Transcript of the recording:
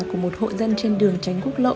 của một hộ dân trên đường tránh quốc lộ